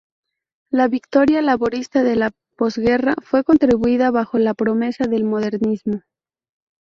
La victoria laborista de la posguerra fue construida bajo la promesa del modernismo.